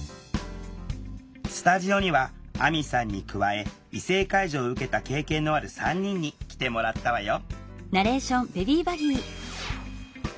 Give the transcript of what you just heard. スタジオにはあみさんに加え異性介助を受けた経験のある３人に来てもらったわよ